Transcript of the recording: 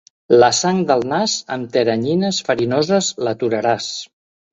La sang del nas, amb teranyines farinoses l'aturaràs.